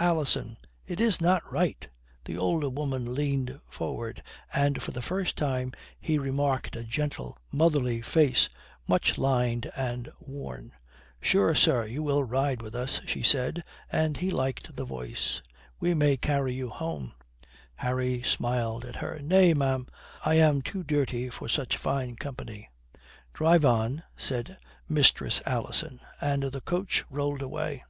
Alison! It is not right!" The older woman leaned forward, and for the first time he remarked a gentle, motherly face, much lined and worn. "Sure, sir, you will ride with us," she said, and he liked the voice. "We may carry you home." Harry smiled at her. "Nay, ma'am. I am too dirty for such fine company." "Drive on," said Mistress Alison. And the coach rolled away.